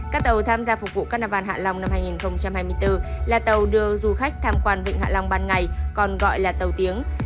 các tàu tham gia phục vụ carnival hạ long năm hai nghìn hai mươi bốn là tàu đưa du khách tham quan vịnh hạ long ban ngày còn gọi là tàu tiếng